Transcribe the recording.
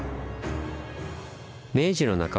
明治の半ばには